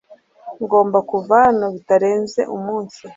Ngomba kuva hano bitarenze umunsi